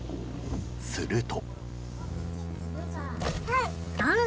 すると。